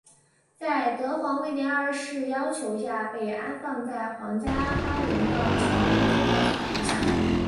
在德皇威廉二世要求下被安放在皇家花园的橙园中的草坪上。